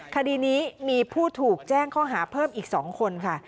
คดีนี้มีผู้ถูกแจ้งข้อหาเพิ่มอีก๒คนค่ะ